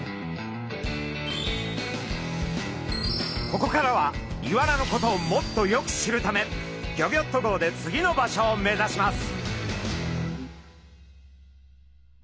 ここからはイワナのことをもっとよく知るためギョギョッと号で次の場所を目指します。